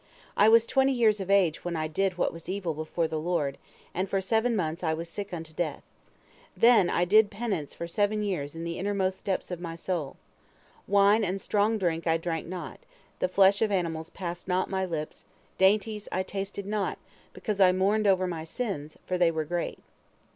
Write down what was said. I was twenty years of age when I did what was evil before the Lord, and for seven months I was sick unto death. Then I did penance for seven years in the innermost depths of my soul. Wine and strong drink I drank not, the flesh of animals passed not my lips, dainties I tasted not, because I mourned over my sins, for they were great."